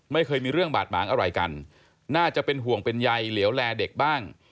ไม่เคยมีเรื่องบาดหมางอะไรกันน่าจะเป็นห่วงเป็นใยเหลวแลเด็กบ้าง